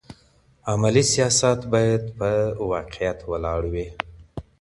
عملي سیاست باید په واقعیت ولاړ وي.